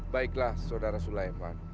baiklah saudara sulaiman